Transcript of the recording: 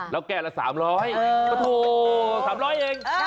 แล้วแก้ละ๓๐๐โอ้โห๓๐๐เอง